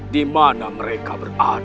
di mana mereka berada